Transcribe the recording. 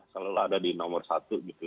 selalu ada di nomor satu